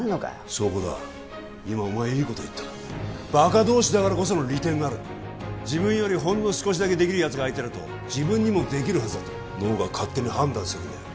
そこだ今お前いいこと言ったバカ同士だからこその利点がある自分よりほんの少しだけできるヤツが相手だと自分にもできるはずだと脳が勝手に判断するんだよ